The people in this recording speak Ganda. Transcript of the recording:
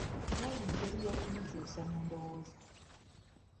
Noonya engeri y'okumukyusa mu ndowooza.